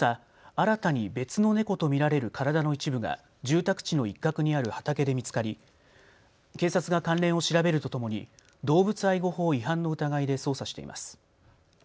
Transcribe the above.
新たに別の猫と見られる体の一部が住宅地の一角にある畑で見つかり警察が関連を調べるとともに動物愛護法違反の疑いで捜査しています。